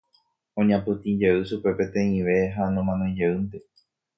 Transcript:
Oñapytĩjey chupe peteĩve ha nomanoijeýnte.